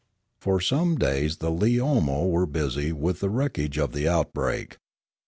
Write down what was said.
For some days the Leomo were busy with the wreckage of the outbreak.